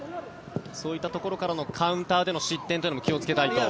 そういったところでのカウンターでの失点というのも気をつけたいと。